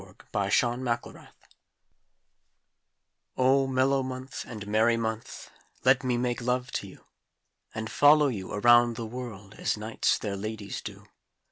[Illustration: August] O mellow month and merry month, Let me make love to you, And follow you around the world As knights their ladies do.